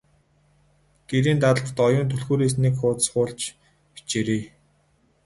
Гэрийн даалгаварт Оюун түлхүүрээс нэг хуудас хуулж бичээрэй.